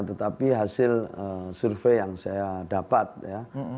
tetapi hasil survei yang saya dapat ya